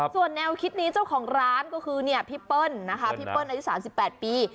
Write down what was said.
ส่วนแนวคิดนี้เจ้าของร้านก็คือพี่เปิ้ลนะคะพี่เปิ้ลอายุ๓๘ปี